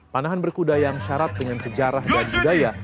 panahan berkuda yang syarat dengan sejarah dan budaya